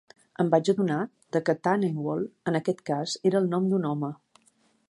Em vaig adonar de què Tannenwald, en aquest cas, era el nom d'un home.